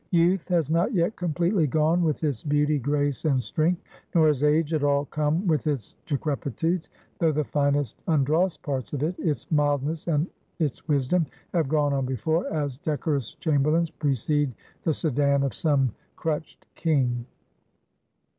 Youth has not yet completely gone with its beauty, grace, and strength; nor has age at all come with its decrepitudes; though the finest undrossed parts of it its mildness and its wisdom have gone on before, as decorous chamberlains precede the sedan of some crutched king.